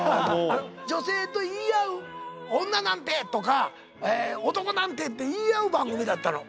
女性と言い合う「女なんて」とか「男なんて」って言い合う番組だったの。